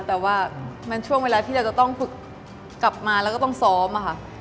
แต่ว่ามันช่วงเวลาที่เราจะต้องฝึกกลับมาแล้วก็ต้องซ้อมค่ะ